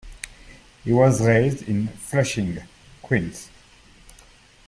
He was raised in Flushing, Queens.